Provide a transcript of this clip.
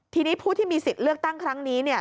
ทีนี้ผู้ที่มีสิทธิ์เลือกตั้งครั้งนี้เนี่ย